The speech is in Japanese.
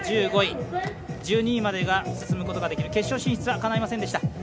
１００．７５１５位、１２位までが進むことができる決勝進出はかないませんでした。